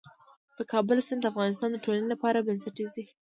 د کابل سیند د افغانستان د ټولنې لپاره بنسټيز دی.